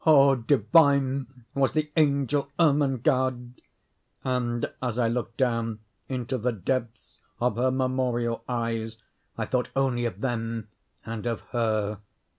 Oh, divine was the angel Ermengarde! and as I looked down into the depths of her memorial eyes, I thought only of them—and of her.